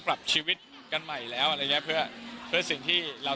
แล้วก็ให้นอนเร็ว